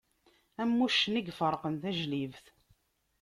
Am uccen i yefeṛqen tajlibt.